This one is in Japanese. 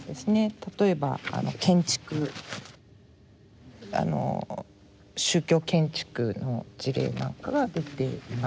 例えば建築宗教建築の事例なんかが出ています。